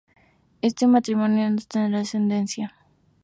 Este matrimonio no tendrá descendencia.